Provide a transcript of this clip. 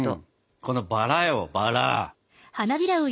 このバラよバラ。